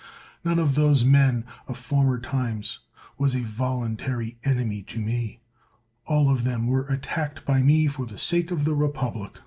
None of those men of former times was a voluntary enemy to me; all of them were attacked by me for the sake of the republic.